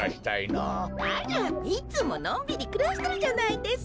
あらっいつものんびりくらしてるじゃないですか。